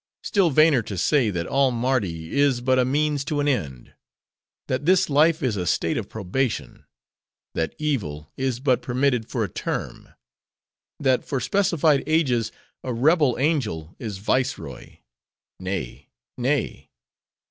Still vainer to say, that all Mardi is but a means to an end; that this life is a state of probation: that evil is but permitted for a term; that for specified ages a rebel angel is viceroy.—Nay, nay.